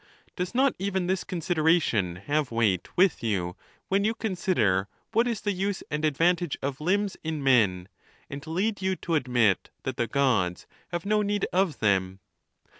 Does not even this consideration have weight with you when you consider what is the use and advantage of limbs in men, and lead you to admit that the Gods have no need of them